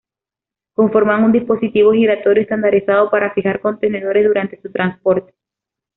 Conforman un dispositivo giratorio estandarizado para fijar contenedores durante su transporte.